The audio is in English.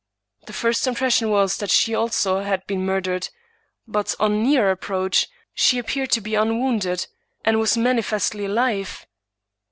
The first impression was that she also had been murdered; but, on a nearer approach, she appeared to be unwounded, and was manifestly alive.